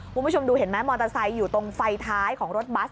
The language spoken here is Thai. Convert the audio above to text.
คุณผู้ชมดูเห็นไหมมอเตอร์ไซค์อยู่ตรงไฟท้ายของรถบัส